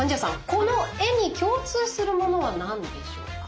この絵に共通するものは何でしょうか？